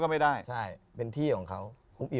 เราจะไปไล่เขาก็ไม่ได้